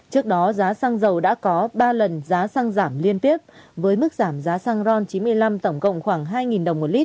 trước đó giá sang dầu đã có ba lần giá sang giảm liên tiếp với mức giảm giá sang ron chín mươi năm tổng cộng khoảng hai đồng một lít sang e năm ron chín mươi hai khoảng một năm trăm linh đồng một lít